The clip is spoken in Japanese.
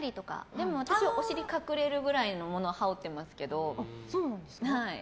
でも、私はお尻隠れるくらいのものを羽織ってますけど。